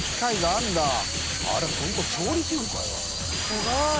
すごい。